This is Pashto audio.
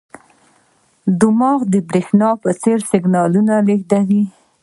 دماغ د برېښنا په څېر سیګنالونه لېږدوي.